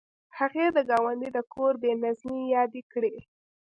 هغې د ګاونډي د کور بې نظمۍ یادې کړې